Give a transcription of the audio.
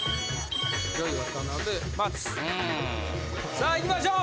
さあいきましょう。